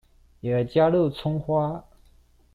也加入蔥花